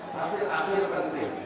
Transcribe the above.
hasil akhir penting